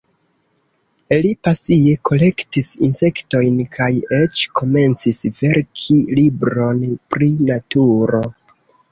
Li pasie kolektis insektojn kaj eĉ komencis verki libron pri naturo.